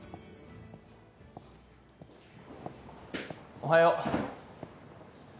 おはよう。